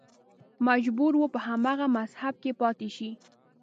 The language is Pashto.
مجبور و په هماغه مذهب کې پاتې شي